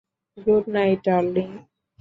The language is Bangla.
Good night darling.